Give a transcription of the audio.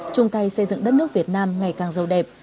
chung tay xây dựng đất nước việt nam ngày càng giàu đẹp